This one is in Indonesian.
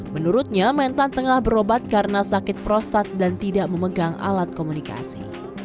menurutnya mentan tengah berobat karena sakit prostat dan tidak memegang alat komunikasi